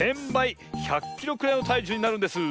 １００キロくらいのたいじゅうになるんです。